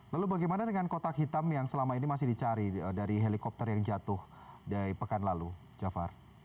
lalu bagaimana dengan kotak hitam yang selama ini masih dicari dari helikopter yang jatuh dari pekan lalu jafar